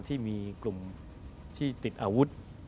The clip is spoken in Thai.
ที่มีกลุ่มที่ติดอาวุธ